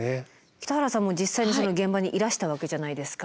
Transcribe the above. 北原さんも実際にその現場にいらしたわけじゃないですか。